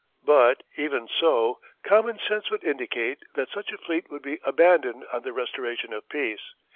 But even so, commonsense would indicate that such a fleet would be abandoned on the restoration of peace.